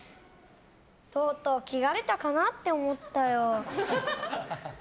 とうとう切られたかなって思ったよ。